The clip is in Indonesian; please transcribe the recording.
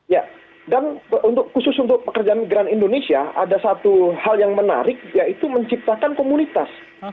ya dan khusus untuk pekerja migran indonesia ada satu hal yang menarik yaitu menciptakan komunitas